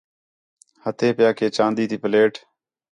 ہتھے پِیا کہ چاندی تی پلیٹ